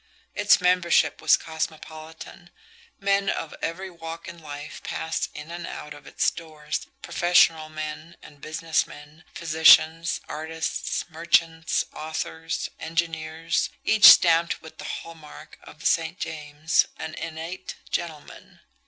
Its membership was cosmopolitan; men of every walk in life passed in and out of its doors, professional men and business men, physicians, artists, merchants, authors, engineers, each stamped with the "hall mark" of the St. James, an innate gentleman.